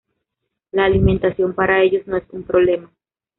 La alimentación para ellos no es un problema.